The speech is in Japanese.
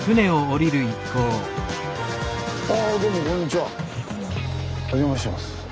お邪魔します。